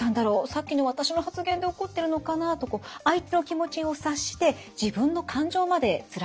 さっきの私の発言で怒ってるのかな？」と相手の気持ちを察して自分の感情までつられてしまいます。